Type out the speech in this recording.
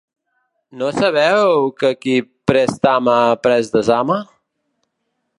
No sabeu que qui prest ama, prest desama?